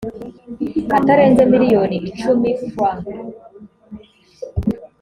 atarenze miliyoni icumi frw